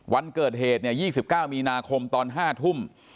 วันเกิดเหตุ๒๙มีนาคมตอน๕ทุ่ม